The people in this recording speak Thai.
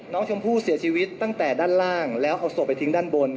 น้องชมพู่เสียชีวิตตั้งแต่ด้านล่างแล้วเอาศพไปทิ้งด้านบน